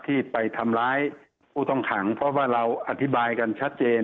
ที่ไปทำร้ายผู้ต้องขังเพราะว่าเราอธิบายกันชัดเจน